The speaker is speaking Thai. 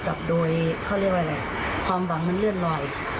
กับโดยเขาเรียกว่าอะไรความหวังมันเลื่อนลอย